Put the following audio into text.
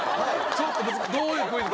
ちょっとどういうクイズ。